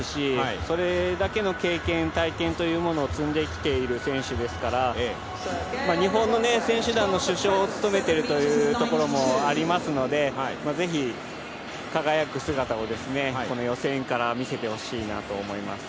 それだけの経験、体験というものを積んできている選手ですから、日本の選手団の主将を務めているというところもありますのでぜひ輝く姿を予選から見せてほしいなと思います。